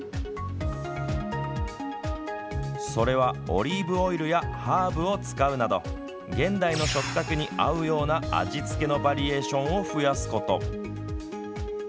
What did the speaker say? それはオリーブオイルやハーブを使うなど現代の食卓に合うような味付けのバリエーションを増やすこと。